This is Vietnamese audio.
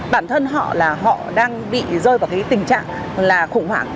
bản thân họ là họ đang bị rơi vào cái tình trạng là khủng hoảng